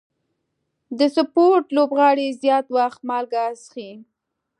د سپورټ لوبغاړي زیات وخت مالګه څښي.